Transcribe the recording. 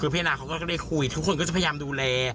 คือพี่นาเขาก็ได้คุยทุกคนก็จะพยายามดูแล